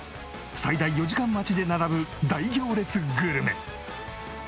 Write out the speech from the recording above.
最大４時間待ちで並ぶ大行列グルメ。